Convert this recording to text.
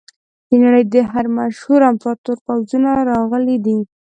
د نړۍ د هر مشهور امپراتور پوځونه راغلي دي.